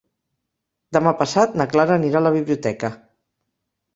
Demà passat na Clara anirà a la biblioteca.